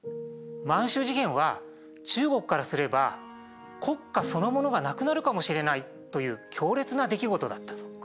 満洲事変は中国からすれば国家そのものがなくなるかもしれないという強烈な出来事だった。